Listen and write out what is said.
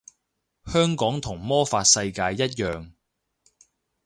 香港同魔法世界一樣